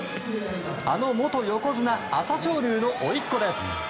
あの元横綱・朝青龍のおいっこです。